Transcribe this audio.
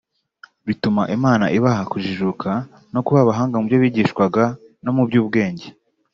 bituma Imana ibaha kujijuka no kuba abahanga mubyo bigishwaga no mu by’ubwenge